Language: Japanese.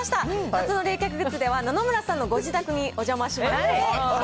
夏の冷却グッズでは、野々村さんのご自宅にお邪魔しまして。